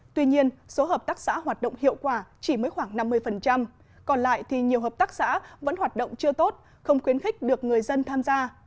tuy nhiên số hợp tác xã hoạt động hiệu quả chỉ mới khoảng năm mươi còn lại thì nhiều hợp tác xã vẫn hoạt động chưa tốt không khuyến khích được người dân tham gia